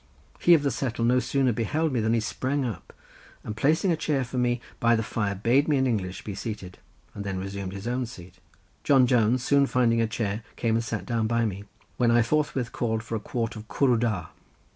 He of the settle no sooner beheld me than he sprang up and placing a chair for me by the fire bade me in English be seated, and then resumed his own seat. John Jones soon finding a chair came and sat down by me, when I forthwith called for a quart of cwrw da.